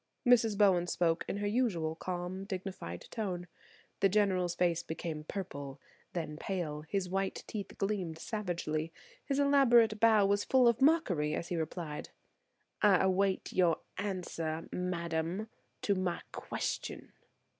Mrs. Bowen spoke in her usual calm, dignified tone. The General's face became purple, then pale; his white teeth gleamed savagely. His elaborate bow was full of mockery as he replied: "I await your answer, madam, to my question."